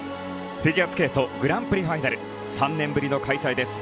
フィギュアスケートグランプリファイナル３年ぶりの開催です。